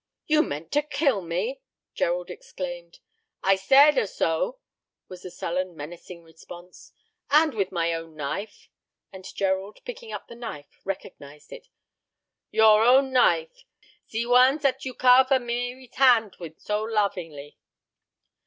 "You meant to kill me," Gerald exclaimed. "I said a so," was the sullen, menacing response. "And with my own knife!" and Gerald, picking up the knife, recognized it. "Your own knife ze one zat you carve a Mary's hand with so lovingly."